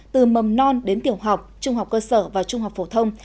từ mầm non đến tiểu học trung học cơ sở và trung học phổ thông